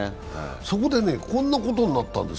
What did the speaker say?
そこでこんなことになったんです